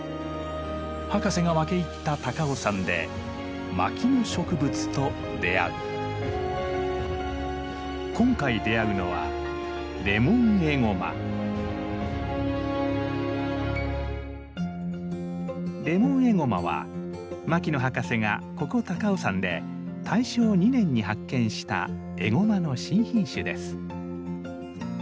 博士が分け入った高尾山で今回出会うのはレモンエゴマは牧野博士がここ高尾山で大正２年に発見したエゴマの新品種です。